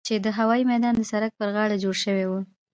چې د هوايي ميدان د سړک پر غاړه جوړ سوي وو.